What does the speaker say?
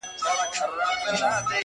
يو ځل ځان لره بوډۍ كړوپه پر ملا سه.!